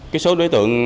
cái số đối tượng